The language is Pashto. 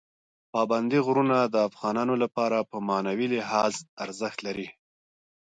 پابندی غرونه د افغانانو لپاره په معنوي لحاظ ارزښت لري.